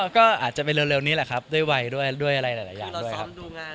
ก็อาจจะไปเร็วนี้แหละครับด้วยวัยด้วยอะไรหลายอย่างด้วยครับ